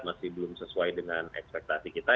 masih belum sesuai dengan ekspektasi kita